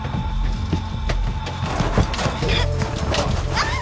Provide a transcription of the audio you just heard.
あっ！